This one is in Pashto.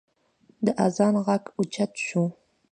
د اذان غږ اوچت شو.